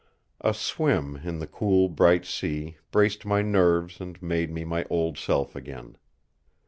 A swim in the cool bright sea braced my nerves and made me my old self again.